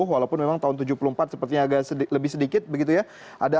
walaupun memang tahun seribu sembilan ratus empat sepertinya agak lebih sedikit begitu ya